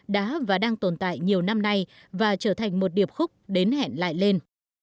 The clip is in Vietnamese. đã và đang tồn tại nhiều năm nay và trở thành một điệp khúc đến hẹn lại lên